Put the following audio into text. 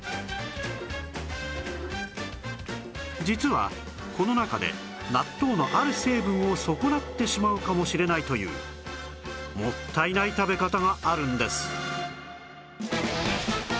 実はこの中で納豆のある成分を損なってしまうかもしれないというもったいない食べ方があるんです